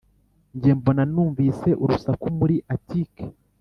njye mbona numvise urusaku muri atike